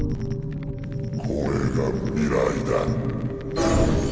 これが未来だ。